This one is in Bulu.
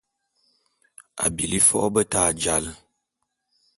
A bili fo’o beta jal .